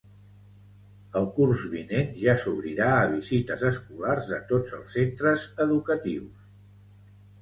El curs vinent ja s’obrirà a visites escolars de tots els centres educatius.